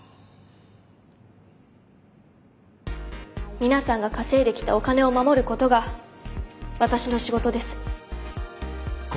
皆さんが稼いできたお金を守ることが私の仕事です。